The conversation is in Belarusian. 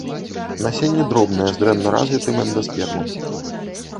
Насенне дробнае з дрэнна развітым эндаспермам.